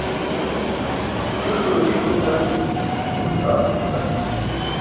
Śutulo hik duxarći, un saas duxar.